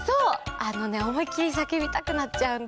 あのねおもいっきりさけびたくなっちゃうんだ。